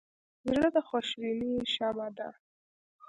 زړه د خوشبینۍ شمعه ده.